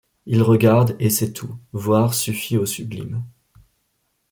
Il regarde, et c’est tout. Voir suffit au sublime